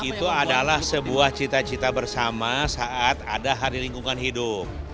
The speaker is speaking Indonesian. itu adalah sebuah cita cita bersama saat ada hari lingkungan hidup